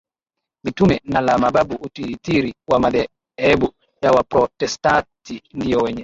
Mitume na la Mababu Utitiri wa madhehebu ya Waprotestanti ndio wenye